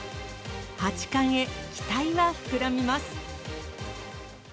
八冠へ、期待は膨らみます。